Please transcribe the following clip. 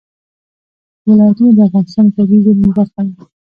ولایتونه د افغانستان د طبیعي زیرمو برخه ده.